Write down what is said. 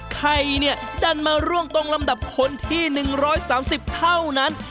ใครเนี่ยดันมาร่วงตรงลำดับคนที่๑๓๐เท่านั้น